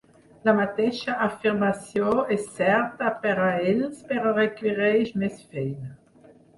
La mateixa afirmació és certa per a ells, però requereix més feina.